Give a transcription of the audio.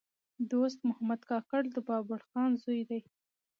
دوست محمد کاکړ د بابړخان زوی دﺉ.